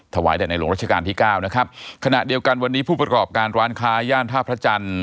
แด่ในหลวงรัชกาลที่เก้านะครับขณะเดียวกันวันนี้ผู้ประกอบการร้านค้าย่านท่าพระจันทร์